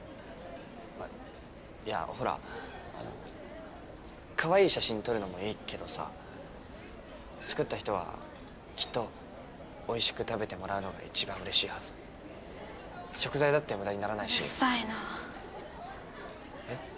あっいやほらかわいい写真撮るのもいいけどさ作った人はきっとおいしく食べてもらうのが一番うれしいはず食材だって無駄にならないしえっ？